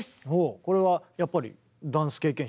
これはやっぱりダンス経験者ですか？